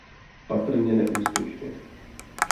Patrně neúspěšně.